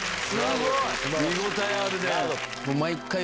見応えあるね。